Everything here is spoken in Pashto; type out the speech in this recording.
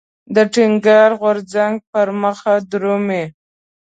د ټينګار غورځنګ پرمخ درومي.